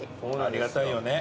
ありがたいよね。